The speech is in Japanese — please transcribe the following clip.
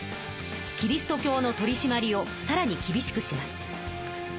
キリスト教の取りしまりをさらにきびしくします。